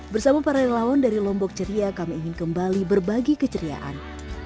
bersama para relawan dari lombok ceria kami ingin kembali berbagi keceriaan